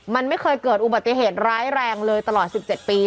มันไม่เคยเกิดอุบัติเหตุร้ายแรงเลยตลอด๑๗ปี